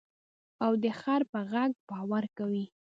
او د خر په غږ باور کوې.